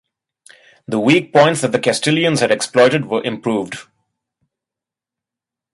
The weak points that the Castilians had exploited were improved.